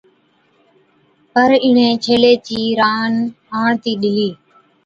پر اِڻَھين ڇيلي چِي ران آڻتِي ڏِلِي